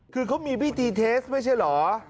คือเขามีพิธีเทสไม่ใช่เหรอ